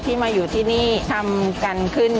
มาอยู่ที่นี่ทำกันขึ้น